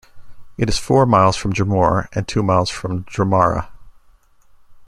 It is four miles from Dromore and two miles from Dromara.